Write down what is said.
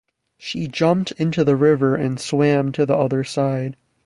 She jumped into the river and swam to the other side.